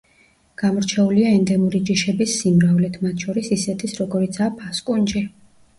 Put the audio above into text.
გამორჩეულია ენდემური ჯიშების სიმრავლით, მათ შორის ისეთის როგორიცაა ფასკუნჯი.